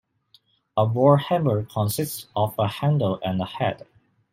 A war hammer consists of a handle and a head.